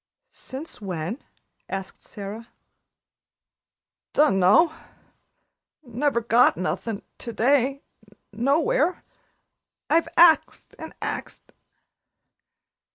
"Since when?" asked Sara. "Dun'no. Never got nothin' to day nowhere. I've axed and axed."